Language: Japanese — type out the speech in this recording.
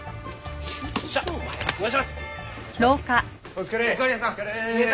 お疲れ。